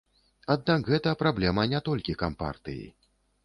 Аднак гэта праблема не толькі кампартыі.